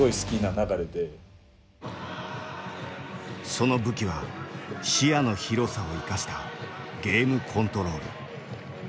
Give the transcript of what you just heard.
その武器は視野の広さを生かしたゲームコントロール。